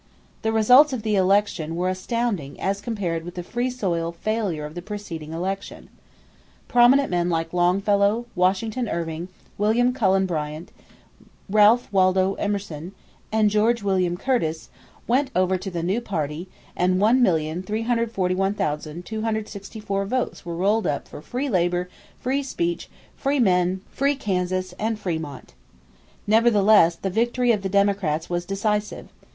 The results of the election were astounding as compared with the Free soil failure of the preceding election. Prominent men like Longfellow, Washington Irving, William Cullen Bryant, Ralph Waldo Emerson, and George William Curtis went over to the new party and 1,341,264 votes were rolled up for "free labor, free speech, free men, free Kansas, and Frémont." Nevertheless the victory of the Democrats was decisive.